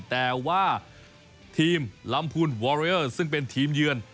แต่ว่าทีมลำพูนวอเรลซึ่งเป็นทีมเยือน